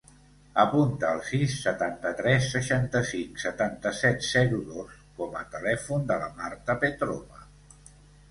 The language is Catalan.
Apunta el sis, setanta-tres, seixanta-cinc, setanta-set, zero, dos com a telèfon de la Marta Petrova.